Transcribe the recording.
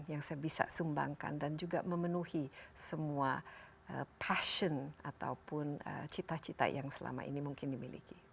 yang saya bisa sumbangkan dan juga memenuhi semua passion ataupun cita cita yang selama ini mungkin dimiliki